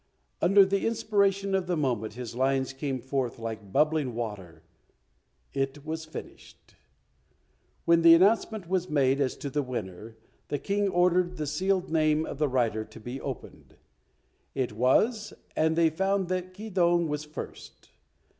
Under the inspiration of the moment his lines came forth like bubbling water. It was finished. When the announcement was made as to the winner, the King ordered the sealed name of the writer to be opened. It was, and they found that Keydong was first.